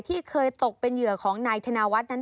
ที่เคยตกเป็นเหยื่อของนายธนวัฒน์นั้น